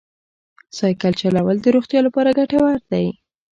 سایکل چلول د روغتیا لپاره ګټور دی.